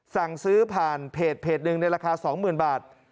สั่งซื้อผ่านเพจหนึ่งในราคา๒๐๐๐บาท